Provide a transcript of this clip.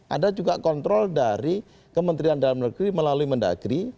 ada juga kontrol dari kementerian dalam negeri melalui mendagri